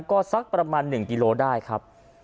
ก็สักประมาณ๑กิโลได้ครับ